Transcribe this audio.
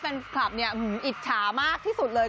แฟนคลับเนี่ยอิจฉามากที่สุดเลย